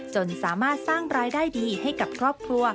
จนสามารถสร้างรายได้ดีให้กับครอบครัว